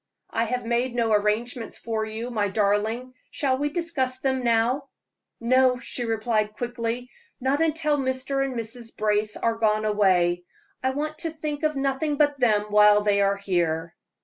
"I have made no arrangements for you, my darling; shall we discuss them now?" "No," she replied, quickly, "not until Mr. and Mrs. Brace are gone away. I want to think of nothing but them while they are here."